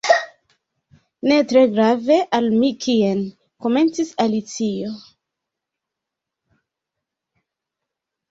"Ne tre grave al mi kien" komencis Alicio.